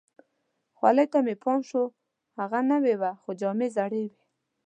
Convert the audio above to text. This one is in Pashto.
خولۍ ته مې پام شو، هغه نوې وه، خو جامې زړې وي.